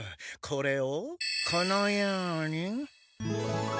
これをこのように。